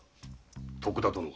徳田殿は？